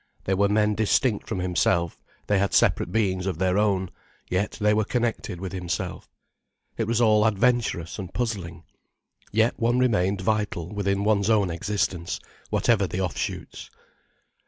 They were men distinct from himself, they had separate beings of their own, yet they were connected with himself. It was all adventurous and puzzling. Yet one remained vital within one's own existence, whatever the off shoots.